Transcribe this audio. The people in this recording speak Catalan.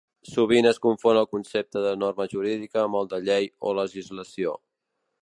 Sovint es confon el concepte de norma jurídica amb el de llei o legislació.